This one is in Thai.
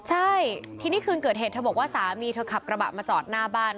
ใช่ทีนี้คืนเกิดเหตุเธอบอกว่าสามีเธอขับกระบะมาจอดหน้าบ้าน